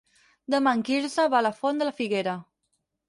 Demà en Quirze va a la Font de la Figuera.